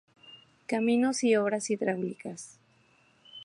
Caminos y Obras Hidráulicas.